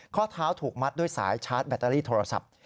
ข้อเท้าถูกมัดด้วยสายชาร์จแบตเตอรี่โทรศัพท์